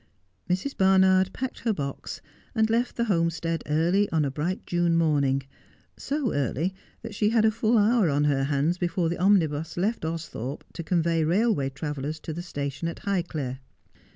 Mrs. Barnard packed her box, and left the Homestead early on a bright June morning, so early that she had a full hour on her hands before the omnibus left Austhorpe to convey railway travellers to the station at Highclere.